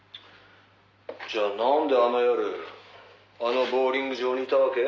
「じゃあなんであの夜あのボウリング場にいたわけ？」